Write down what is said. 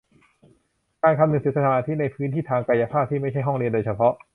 การคำนึงถึงสมาธิในพื้นที่ทางกายภาพที่ไม่ใช่ห้องเรียนโดยเฉพาะ